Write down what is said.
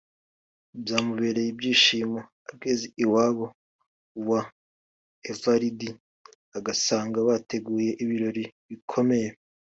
byamubereye ibyishimo ageze iwabo wa Evaride agasanga bateguye ibirori bikomeye